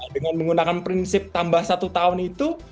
dengan menggunakan prinsip tambah satu tahun itu